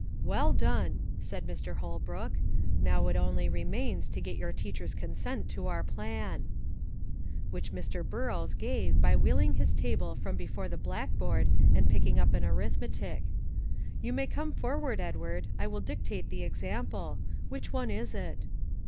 "Well done," said Mr. Holbrook "Now it only remains to get your teacher's consent to our plan." Which Mr. Burrows gave by wheeling his table from before the blackboard and picking up an arithmetic. "You may come forward, Edward. I will dictate the example; which one is it?"